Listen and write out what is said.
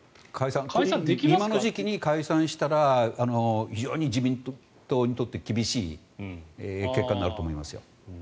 今の時期に解散したら非常に自民党にとって厳しい結果になると思いますよ。